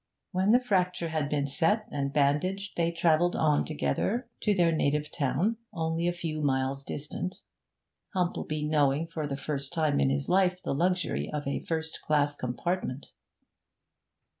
When the fracture had been set and bandaged, they travelled on together to their native town, only a few miles distant, Humplebee knowing for the first time in his life the luxury of a first class compartment.